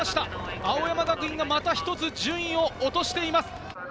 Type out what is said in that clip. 青山学院がまた一つ順位を落としています。